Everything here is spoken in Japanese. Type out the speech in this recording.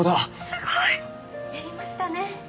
すごい！「やりましたね！」